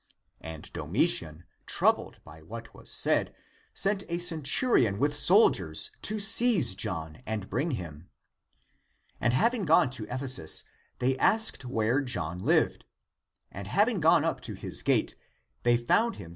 And Domitian, troubled by what was said, sent a centu rion with soldiers to seize John and bring him. And having gone to Ephesus, they asked where John lived. And having come up to his gate,, they 1 According to cod.